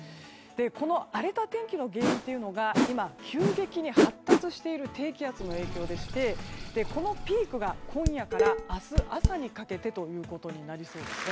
この荒れた天気の原因というのが今、急激に発達している低気圧の影響でしてこのピークが今夜から明日朝にかけてということになりそうですね。